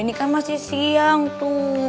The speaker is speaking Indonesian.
ini kan masih siang tuh